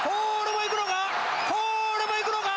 これも行くのか？